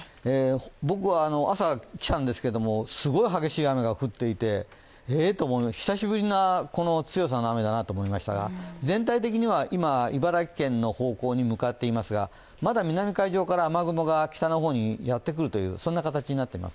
僕は朝来たんですけれども、すごい激しい雨が降っていてえ？と思って、久しぶりにこの強さの雨だなと思ったんですが今、茨城県の方向に向かっていますが、まだ南海上から雨雲が北の方にやってくるという形です。